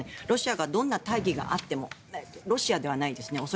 ロシアがどんな大義があってもロシアではないですね。